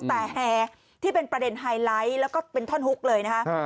แต่แห่ที่เป็นประเด็นไฮไลท์แล้วก็เป็นท่อนฮุกเลยนะคะ